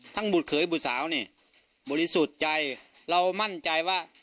บุตรเขยบุตรสาวนี่บริสุทธิ์ใจเรามั่นใจว่า